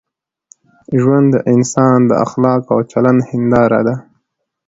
ژوند د انسان د اخلاقو او چلند هنداره ده.